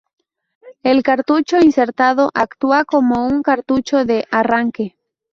El cartucho insertado actúa como un cartucho de 'arranque'.